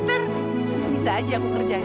berseris saja aku kerjanya